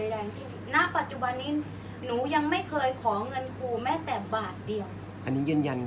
อันไหนที่มันไม่จริงแล้วอาจารย์อยากพูด